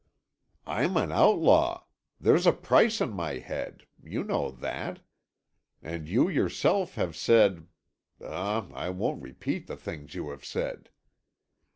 "I'm an outlaw. There's a price on my head—you know that. And you yourself have said—ah, I won't repeat the things you have said.